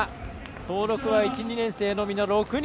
登録は１、２年生のみの６人。